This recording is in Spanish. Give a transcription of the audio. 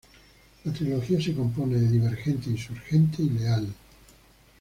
La trilogía se compone de "Divergente", "Insurgente" y "Leal".